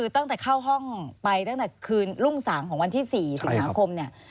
ตั้งแต่เข้าห้องไปตั้งแต่คืนรุ่งสางของวันที่๔สิงหาคมเนี่ย